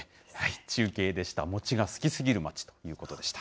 中継でした、餅が好きすぎる町ということでした。